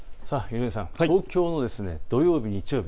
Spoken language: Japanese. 井上さん、東京の土曜日、日曜日